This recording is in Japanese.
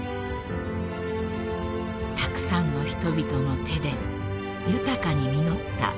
［たくさんの人々の手で豊かに実った棚田］